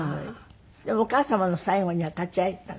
でもお母様の最期には立ち会えたんですか？